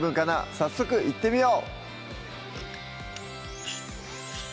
早速いってみよう！